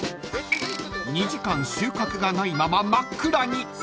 ［２時間収穫がないまま真っ暗に］